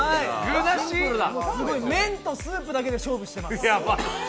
すごい、麺とスープだけで勝負しています。